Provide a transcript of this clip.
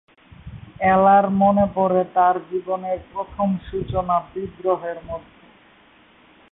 এলার মনে পড়ে তার জীবনের প্রথম সূচনা বিদ্রোহের মধ্যে।